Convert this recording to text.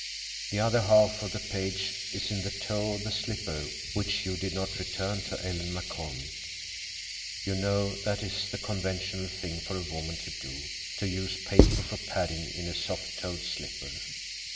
The other half of the page is in the toe of the slipper which you did not return to Ellen McCormick. You know that is the conventional thing for a woman to do—to use paper for padding in a soft toed slipper."